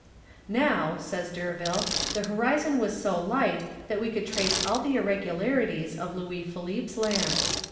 "Now," says D'Urville, "the horizon was so light that we could trace all the irregularities of Louis Philippe's Land.